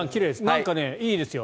なんかいいですよ。